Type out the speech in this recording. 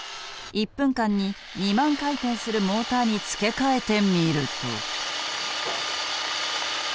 １分間に２万回転するモーターに付け替えてみると。